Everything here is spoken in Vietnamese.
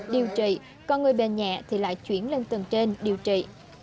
điều trị còn người bệnh nhẹ thì lại chuyển lên tầng trên điều trị